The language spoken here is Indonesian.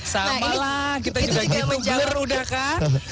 sama lah kita juga gitu bener udah kan